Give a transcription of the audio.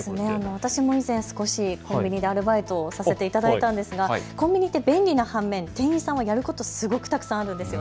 私も以前、少しコンビニでアルバイトさせていただいたんですがコンビニって便利な反面、店員さんはやることすごくたくさんあるんです。